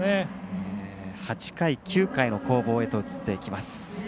８回、９回の攻防へと移っていきます。